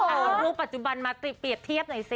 เอารูปปัจจุบันมาเปรียบเทียบหน่อยสิ